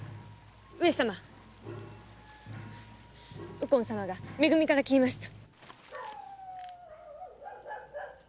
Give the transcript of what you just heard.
右近様がめ組から消えました。